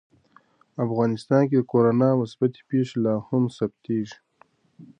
افغانستان کې د کورونا مثبتې پېښې لا هم ثبتېږي.